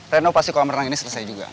renovasi kolam renang ini selesai juga